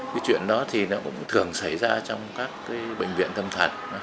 cái chuyện đó cũng thường xảy ra trong các bệnh viện tâm thần